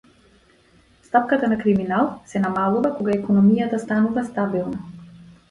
Стапката на криминал се намалува кога економијата станува стабилна.